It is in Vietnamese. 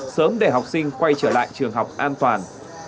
sớm để học sinh quay trở lại trường học an toàn